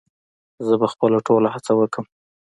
زه به خپله ټوله هڅه وکړم